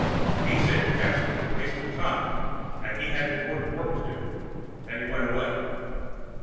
He said chess was a waste of time and he had important work to do and he went away.